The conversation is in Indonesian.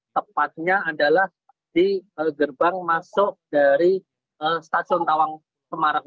tepatnya adalah di gerbang masuk dari stasiun tawang semarang